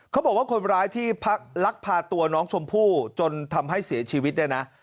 เขาบอกว่าคนร้ายที่ลักพาตัวน้องชมพู่จนทำให้เสียชีวิตเนี่ยนะ